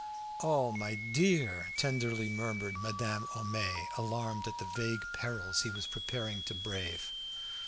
"Oh, my dear!" tenderly murmured Madame Homais, alarmed at the vague perils he was preparing to brave.